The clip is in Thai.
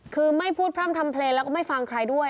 คือไม่พูดพร่ำทำเพลงแล้วก็ไม่ฟังใครด้วย